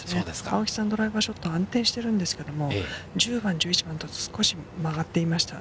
青木さん、ドライバーショット、安定してるんですけど、１０番、１１番と少し曲がっていました。